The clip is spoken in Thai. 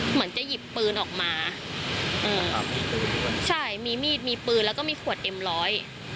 เหมือนจะหยิบปืนออกมาอืมใช่มีมีดมีปืนแล้วก็มีขวดเอ็มร้อย